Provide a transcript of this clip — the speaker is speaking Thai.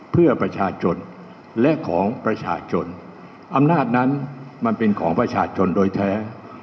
เพื่อประชาชนและของประชาชนอำนาจนั้นมันเป็นของประชาชนโดยแท้